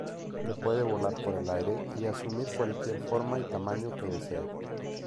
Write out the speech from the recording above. Que puede volar por el aire y asumir cualquier forma y tamaño que desea.